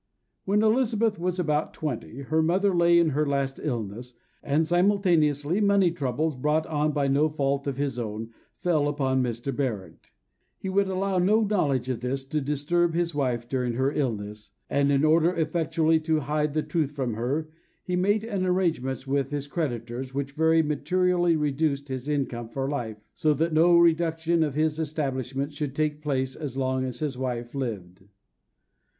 When Elizabeth was about twenty, her mother lay in her last illness, and simultaneously money troubles, brought on by no fault of his own, fell upon Mr. Barrett. He would allow no knowledge of this to disturb his wife during her illness; and in order effectually to hide the truth from her, he made an arrangement with his creditors which very materially reduced his income for life, so that no reduction of his establishment should take place as long as his wife lived.